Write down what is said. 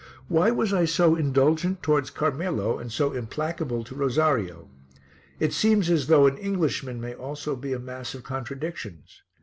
Why was I so indulgent towards Carmelo and so implacable to Rosario? It seems as though an Englishman may also be a mass of contradictions.